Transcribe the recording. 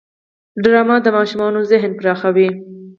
ډرامه د ماشومانو ذهن پراخوي